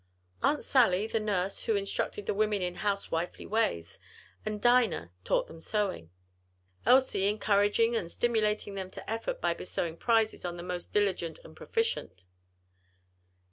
Aunt Sally, the nurse, also instructed the women in housewifely ways, and Dinah taught them sewing; Elsie encouraging and stimulating them to effort by bestowing prizes on the most diligent and proficient.